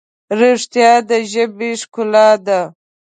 رښتیا د ژبې ښکلا ده.